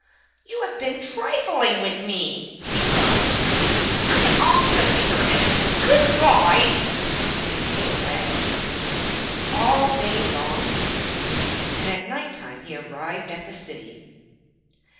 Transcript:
'You have been trifling with me,' he cried, 'I am off to the Pyramids. Good bye!' and he flew away. All day long he flew, and at night time he arrived at the city.